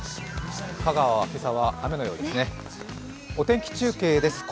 香川は今朝は雨のようですね。